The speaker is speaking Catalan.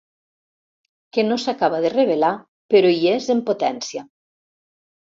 Que no s'acaba de revelar, però hi és en potència.